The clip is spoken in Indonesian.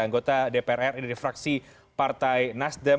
anggota dpr ri dari fraksi partai nasdem